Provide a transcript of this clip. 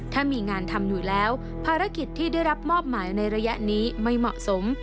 ถ้ามีงานทำอยู่แล้วภารกิจที่ได้รับมอบหมายในระยะนี้ไม่เหมาะสม